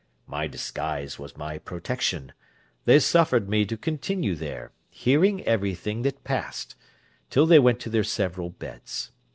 My disguise was my protection; they suffered me to continue there, hearing everything that passed, till they went to their several beds.